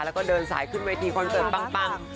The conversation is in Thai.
แล้วก็เดินสายขึ้นเวทีคอนเสิร์ตปัง